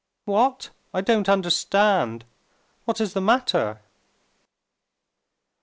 "What? I don't understand. What is the matter?"